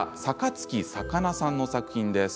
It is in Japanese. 月さかなさんの作品です。